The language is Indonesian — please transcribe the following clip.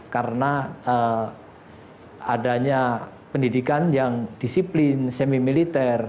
karena adanya pendidikan yang disiplin semimiliter